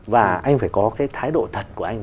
và anh phải có cái thái độ thật của anh